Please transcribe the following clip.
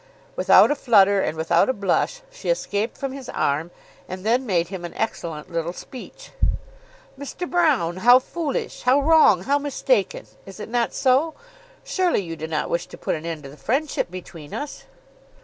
Without a flutter, and without a blush, she escaped from his arm, and then made him an excellent little speech. "Mr. Broune, how foolish, how wrong, how mistaken! Is it not so? Surely you do not wish to put an end to the friendship between us!"